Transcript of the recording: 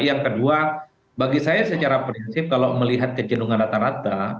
yang kedua bagi saya secara prinsip kalau melihat kecendungan rata rata